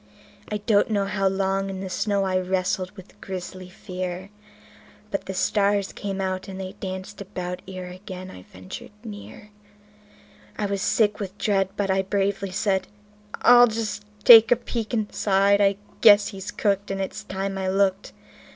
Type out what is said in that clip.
I do not know how long in the snow I wrestled with grisly fear; But the stars came out and they danced about ere again I ventured near; I was sick with dread, but I bravely said: "I'll just take a peep inside. I guess he's cooked, and it's time I looked"